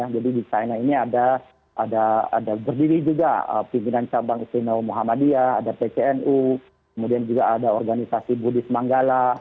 jadi di saina ini ada berdiri juga pimpinan cabang isinaw muhammadiyah ada pcnu kemudian juga ada organisasi buddhis manggala